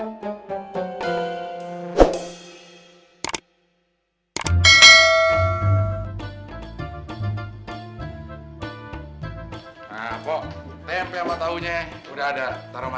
nah pok tempe mbak tahunya udah ada taro mana